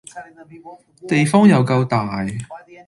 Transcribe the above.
地方又夠大